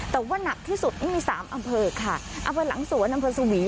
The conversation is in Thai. แต่ว่าหนักที่สุดนี่มี๓อำเภอค่ะอำเภอหลังสวนอำเภอสวี